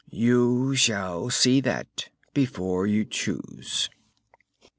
You shall see that, before you choose."